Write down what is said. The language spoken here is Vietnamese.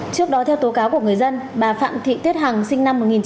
trước đó theo tố cáo của người dân bà phạm thị tiết hằng sinh năm một nghìn chín trăm tám mươi